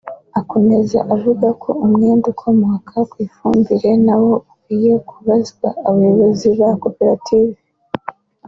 Akomeza avuga ko umwenda ukomoka ku ifumbire na wo ukwiye kubazwa abo bayobozi ba koperative